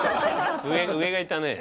上がいたね。